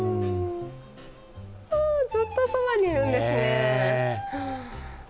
ずっとそばにいるんですね。